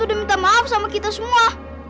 udah minta maaf sama kita semua